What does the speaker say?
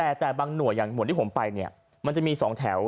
แต่บางหน่วยังหน่วยังหน่วยที่ผมไปเนี่ยมันจะมี๒แถว